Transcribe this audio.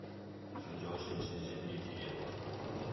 全球性新興議題